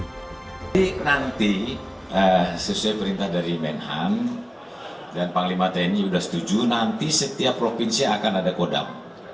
nanti sesuai perintah dari menhan dan panglima tni sudah setuju nanti setiap provinsi akan ada kodam